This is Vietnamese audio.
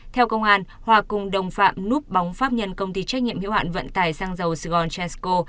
theo công an hòa cùng đồng phạm núp bóng pháp nhân công ty trách nhiệm hiệu hạn vận tài xăng dầu sigon chesco